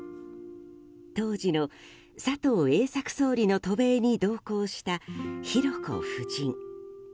当時の佐藤栄作総理の渡米に同行した寛子夫人。